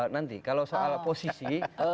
nanti kalau soal posisi